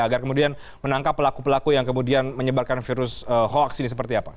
agar kemudian menangkap pelaku pelaku yang kemudian menyebarkan virus hoax ini seperti apa